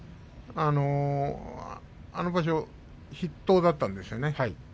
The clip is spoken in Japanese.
あの場所筆頭だったんですよね。